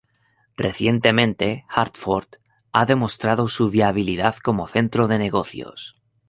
Recientemente, Hartford ha demostrado su viabilidad como centro de negocios.